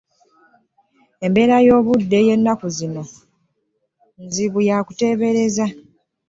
Embeere y'obudde y'enaku zino nzibu yakuteebereza.